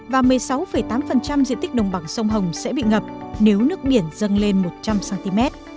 và một mươi sáu tám diện tích đồng bằng sông hồng sẽ bị ngập nếu nước biển dâng lên một trăm linh cm